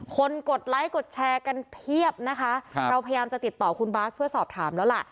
กดไลค์กดแชร์กันเพียบนะคะเราพยายามจะติดต่อคุณบาสเพื่อสอบถามแล้วล่ะ